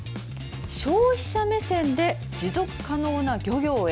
消費者目線で持続可能な漁業へ。